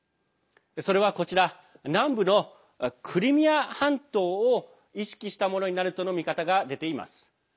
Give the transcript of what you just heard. それは、こちら南部のクリミア半島を意識したものになるとの見方が出ています。